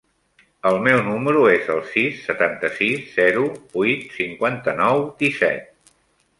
El meu número es el sis, setanta-sis, zero, vuit, cinquanta-nou, disset.